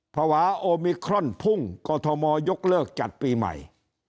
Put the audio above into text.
ภาวะโอมิครอนพุ่งกอทมยกเลิกจัดปีใหม่